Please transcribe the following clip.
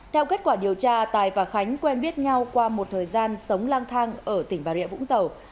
theo kết quả điều tra tài và khánh quen biết nhau qua một thời gian sống lang thang ở tỉnh bà rịa vũng tàu